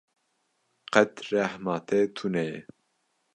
Qet rehma te tune ye.